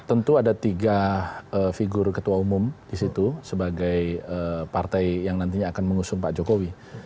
tentu ada tiga figur ketua umum di situ sebagai partai yang nantinya akan mengusung pak jokowi